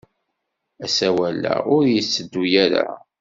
Asawal-a ur yetteddu ara.